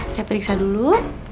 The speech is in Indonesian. saya periksa dulu